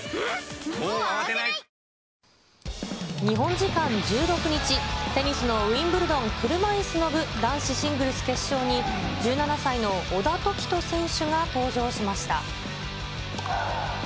時間１６日、テニスのウィンブルドン車いすの部男子シングルス決勝に、１７歳の小田凱人選手が登場しました。